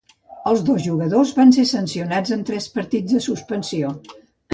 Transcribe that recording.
Els dos jugadors van ser sancionats amb tres partits de suspensió.